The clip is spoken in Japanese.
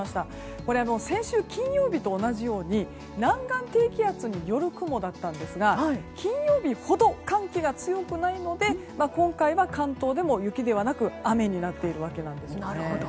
これは先週金曜日と同じように南岸低気圧による雲でしたが金曜日ほど寒気が強くないので今回は関東でも雪ではなく雨になっているわけなんですね。